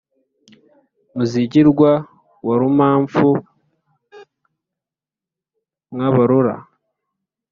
muzigirwa wa rumamfu nkabarora